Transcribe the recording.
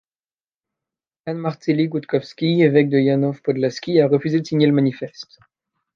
Jan Marceli Gutkowski, évêque de Janów Podlaski, a refusé de signer le manifeste.